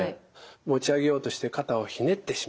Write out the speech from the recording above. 持ち上げようとして肩をひねってしまう。